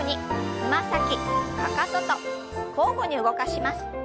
つま先かかとと交互に動かします。